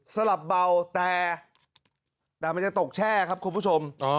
สลับเบาแต่มันจะตกแช่ครับคุณผู้ชม